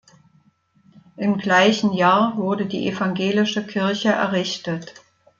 Im gleichen Jahr wurde die evangelische Kirche errichtet.